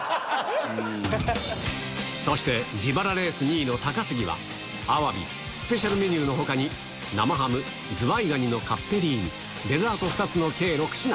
そして自腹レース２位の高杉は、アワビ、スペシャルメニューのほかに、生ハム、ズワイガニのカッペリーニ、デザート２つの計６品。